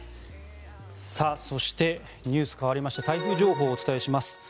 そしてニュースかわりまして台風情報をお伝えします。